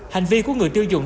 hành vi của người tiêu dùng